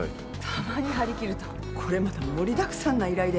たまに張り切るとこれまた盛りだくさんな依頼で。